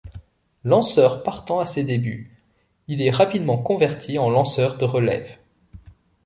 Lanceur partant à ses débuts, il est rapidement converti en lanceur de relève.